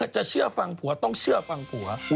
จะเชื่อฟังผัวต้องเชื่อฟังผัว